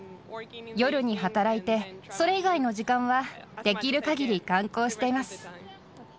夜に働いて、それ以外の時間は、出来るかぎり観光しています。